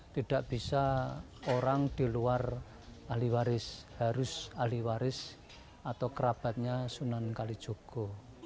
tidak bisa orang di luar ahli waris harus ahli waris atau kerabatnya sunan kalijogo